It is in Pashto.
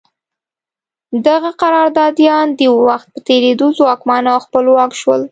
دغه قراردادیان د وخت په تېرېدو ځواکمن او خپلواک شول.